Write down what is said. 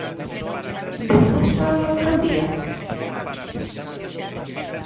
De toda a súa alcaldía?